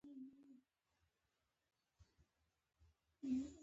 ښه چلند او اخلاق د انسان شخصیت لوړوي.